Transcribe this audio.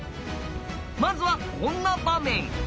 まずはこんな場面。